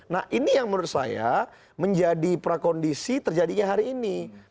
nah ini yang menurut saya menjadi prakondisi terjadinya hari ini